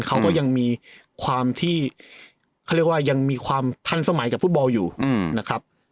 เขาก็ยังมีความที่ยังมีความทันสมัยกับฟุตบอลอยู่นะครับ